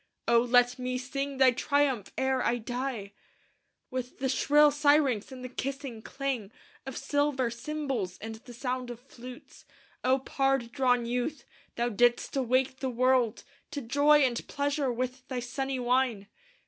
O let me sing thy triumph ere I die! "With the shrill syrinx and the kissing clang Of silver cymbals, and the sound of flutes, O pard drawn youth, thou dist awake the world To joy and pleasure with thy sunny wine!